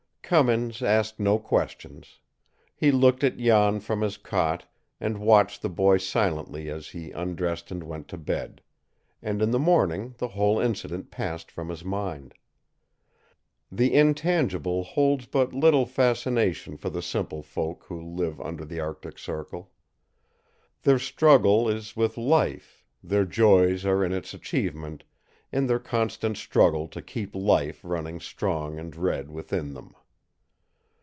Cummins asked no questions. He looked at Jan from his cot, and watched the boy silently as he undressed and went to bed; and in the morning the whole incident passed from his mind. The intangible holds but little fascination for the simple folk who live under the Arctic Circle. Their struggle is with life, their joys are in its achievement, in their constant struggle to keep life running strong and red within them.